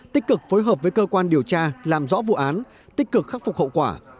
tích cực phối hợp với cơ quan điều tra làm rõ vụ án tích cực khắc phục hậu quả